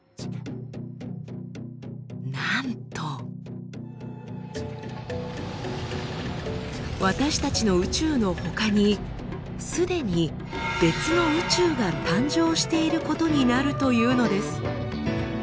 なんと私たちの宇宙のほかにすでに別の宇宙が誕生していることになるというのです。